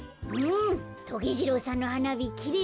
トゲ次郎さんのはなびきれいだもんね。